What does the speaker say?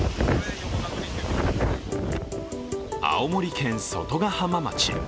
青森県外ヶ浜町。